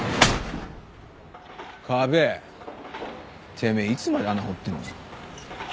てめえいつまで穴掘ってんだ。